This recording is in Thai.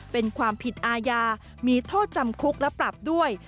เป็นความผิดอาญามีโทษจำคุกและปรับด้วย